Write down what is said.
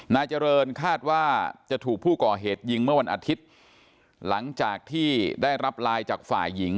นายเจริญคาดว่าจะถูกผู้ก่อเหตุยิงเมื่อวันอาทิตย์หลังจากที่ได้รับไลน์จากฝ่ายหญิง